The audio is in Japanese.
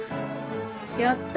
やった。